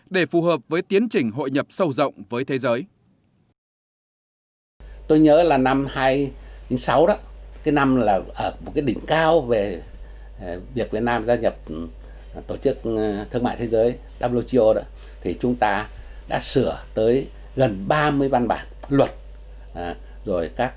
để phù hợp với tiến trình hội nhập sâu rộng với thế giới